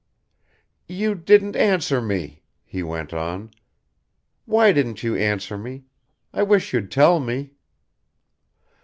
"You didn't answer me," he went on. "Why didn't you answer me? I wish you'd tell me."